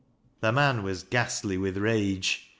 The man was ghastly with rage.